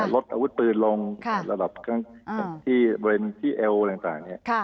รถอาวุธปืนล่อหลับกลางที่แอโลอัตรายังต่าง